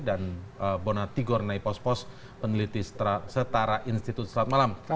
dan bona tigor naipos pos peneliti setara institut selamat malam